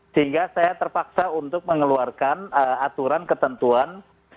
sehingga saya terpaksa untuk mengeluarkan aturan ketentuan